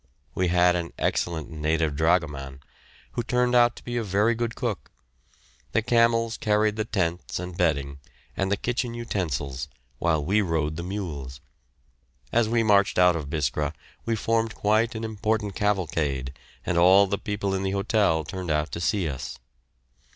We had an excellent native dragoman, who turned out to be a very good cook. The camels carried the tents and bedding, and the kitchen utensils, while we rode the mules. As we marched out of Biskra we formed quite an important cavalcade and all the people in the hotel turned out to see us.